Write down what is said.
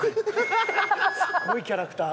すごいキャラクター。